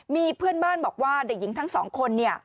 มีเพื่อนบ้านบอกว่าเด็กหญิงทั้ง๒คน